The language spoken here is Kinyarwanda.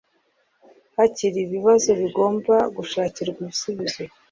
hakiri ibibazo bigomba gushakirwa ibisubizo